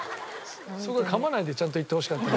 そこはかまないでちゃんと言ってほしかった。